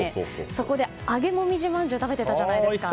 そこで揚げもみじまんじゅうを食べてたじゃないですか。